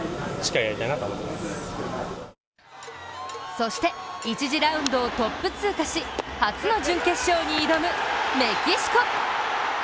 そして１次ラウンドをトップ通過し初の準決勝に挑むメキシコ。